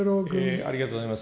ありがとうございます。